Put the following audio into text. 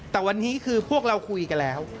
แต่วันนี้คือพวกเราคุยกันแล้ว